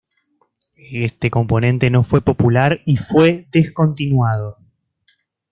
Este componente no fue popular y fue descontinuado.